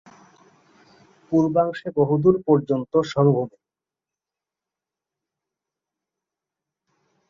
পূর্বাংশে বহুদূর পর্যন্ত সমভূমি।